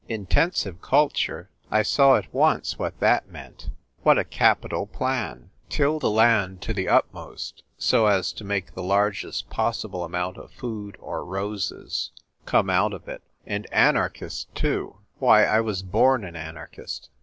Intensive culture ! I saw at once what that meant. What a capital plan ! Till the land to the utmost, so as to make the largest possible amount of food or roses come out of '^ ENVIRONMENT WINS. 37 it. And anarchists, too ! Why, I was born an anarchist.